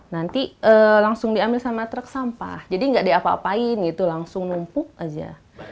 nanti langsung diambil sama truk sampah jadi tidak diapa apain langsung numpuk saja